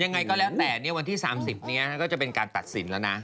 ยังไงก็แล้วแต่วันที่๓๐นี้ก็จะเป็นการตัดสินแล้วนะ